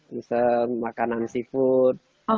pesan makanan seafood